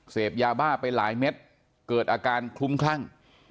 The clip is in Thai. เสพยาบ้าไปหลายเม็ดเกิดอาการคลุ้มคลั่ง